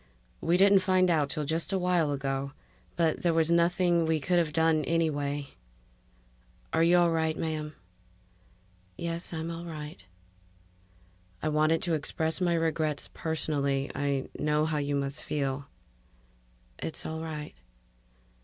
We didn't find out till just a while ago but there was nothing we could have done anyway ... Are you all right, ma'am?" "Yes. I'm all right." "I wanted to express my regrets personally. I know how you must feel." "It's all right."